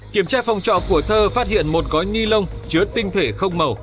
kiểm tra phòng trọ của thơ phát hiện một gói ni lông chứa tinh thể không màu